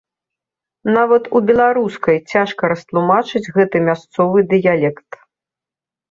Нават у беларускай цяжка растлумачыць гэты мясцовы дыялект.